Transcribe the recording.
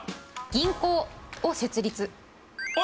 銀行を設立。